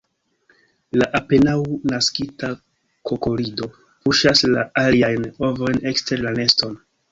La apenaŭ naskita kukolido puŝas la aliajn ovojn ekster la neston.